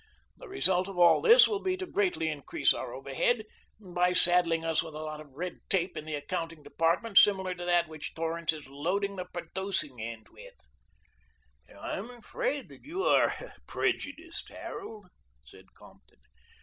The result of all this will be to greatly increase our overhead by saddling us with a lot of red tape in the accounting department similar to that which Torrance is loading the producing end with." "I am afraid that you are prejudiced, Harold," said Compton.